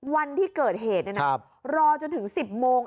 วันที่เกิดเหตุรอจนถึง๑๐โมง